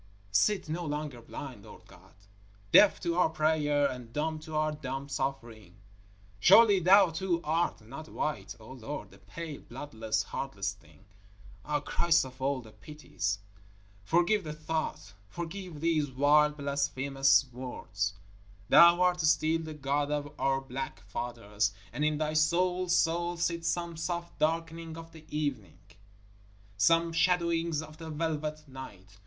_ Sit no longer blind, Lord God, deaf to our prayer and dumb to our dumb suffering. Surely Thou too art not white, O Lord, a pale, bloodless, heartless thing? Ah! Christ of all the Pities! Forgive the thought! Forgive these wild, blasphemous words. Thou art still the God of our black fathers, and in Thy soul's soul sit some soft darkenings of the evening, some shadowings of the velvet night.